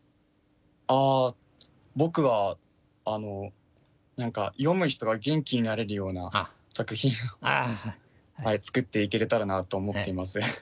ああ僕はあの何か読む人が元気になれるような作品を作っていけれたらなと思っています。